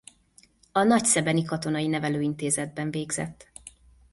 A nagyszebeni katonai nevelőintézetben végzett.